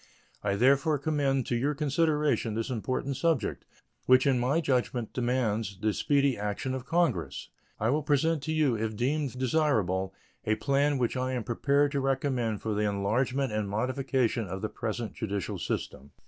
I therefore commend to your consideration this important subject, which in my judgment demands the speedy action of Congress. I will present to you, if deemed desirable, a plan which I am prepared to recommend for the enlargement and modification of the present judicial system.